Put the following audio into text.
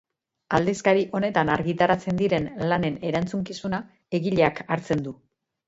Aldizkari honetan argitaratzen diren lanen erantzukizuna egileak hartzen du.